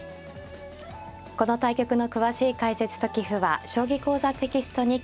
この対局の詳しい解説と棋譜は「将棋講座」テキストに掲載します。